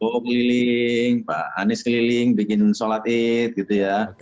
mau keliling pak anies keliling bikin sholat id gitu ya